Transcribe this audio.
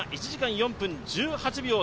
１時間４分１８秒